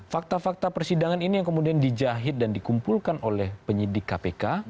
fakta fakta persidangan ini yang kemudian dijahit dan dikumpulkan oleh penyidik kpk